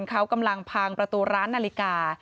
เขากำลังพังประตูร้านนาฬิกา